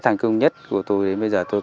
thành công nhất của tôi đến bây giờ tôi